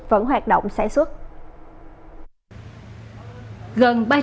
vẫn hoạt động sản xuất